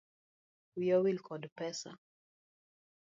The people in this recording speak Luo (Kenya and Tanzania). Wiya owil kod pesa.